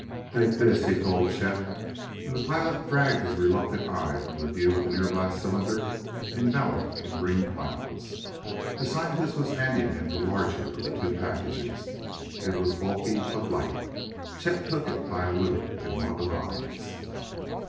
"Take this," he told Chet; and the pilot dragged his reluctant eyes from the view of the nearby cylinder enveloped in green clouds. The scientist was handing him the larger of the two packages. It was bulky but light: Chet took it by a loop in one of the vines.